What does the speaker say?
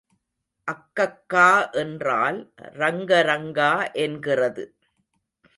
அக்கக்கா என்றால் ரங்க ரங்கா என்கிறது.